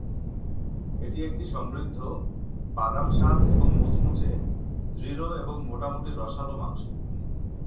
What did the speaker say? এটি একটি সমৃদ্ধ, বাদাম স্বাদ এবং মুচমুচে, দৃঢ় এবং মোটামুটি রসালো মাংস।